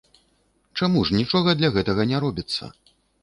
Чаму ж нічога для гэтага не робіцца?